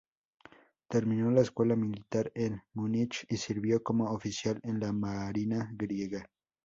Terminó la escuela militar en Múnich y sirvió como oficial en la marina griega.